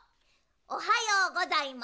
おはようございます。